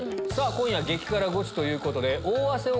今夜は激辛ゴチということで。